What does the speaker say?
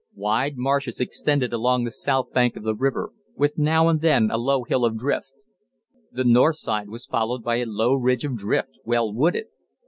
Wide marshes extended along the south bank of the river, with now and then a low hill of drift. The north side was followed by a low ridge of drift, well wooded.